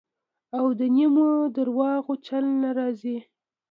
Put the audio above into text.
او د نیمو درواغو چل نه راځي.